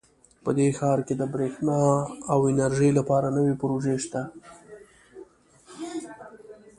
په دې ښار کې د بریښنا او انرژۍ لپاره نوي پروژې شته